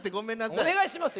おねがいしますよ。